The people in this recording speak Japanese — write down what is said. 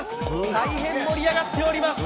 大変盛り上がっております。